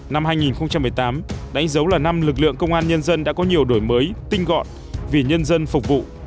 năm hai nghìn một mươi tám đánh dấu là năm lực lượng công an nhân dân đã có nhiều đổi mới tinh gọn vì nhân dân phục vụ